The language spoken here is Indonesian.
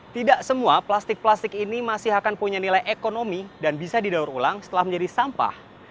tidak semua plastik plastik ini masih akan punya nilai ekonomi dan bisa didaur ulang setelah menjadi sampah